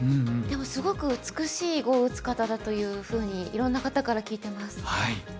でもすごく美しい碁を打つ方だというふうにいろんな方から聞いてます。